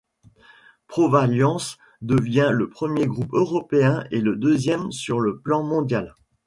Provalliance devient le premier groupe européen et le deuxième sur le plan mondial.